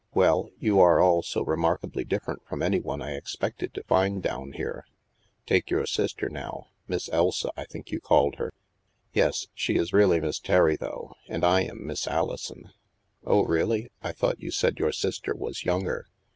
" Well, you are all so remarkably different from any one I expected to find down here. Take your sister, now — Miss Elsa, I think you called her ?'*" Yes, she is really Miss Terry though, and I am Miss AHson." " Oh, really ? I thought you said your sister was younger."